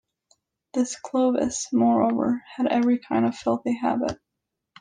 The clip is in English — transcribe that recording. This Clovis, moreover, had every kind of filthy habit.